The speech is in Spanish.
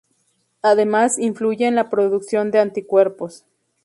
Además, influye en la producción de anticuerpos.